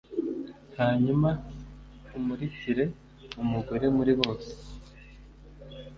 Hanyuma umurikire umugore muri bose